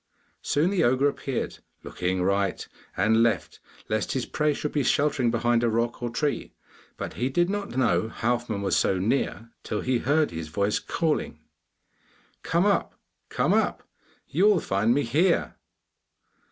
Soon the ogre appeared, looking right and left lest his prey should be sheltering behind a rock or tree, but he did not know Halfman was so near till he heard his voice calling, 'Come up! come up! you will find me here!